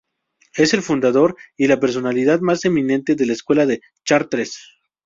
Es el fundador y la personalidad más eminente de la Escuela de Chartres.